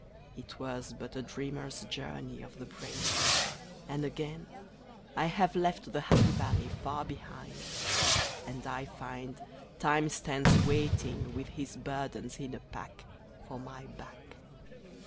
It was but a dreamer's journey of the brain; And again I have left the happy valley far behind; And I find Time stands waiting with his burdens in a pack For my back.